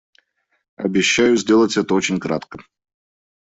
Обещаю сделать это очень кратко.